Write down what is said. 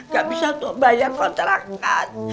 gak bisa untuk bayar kontrakan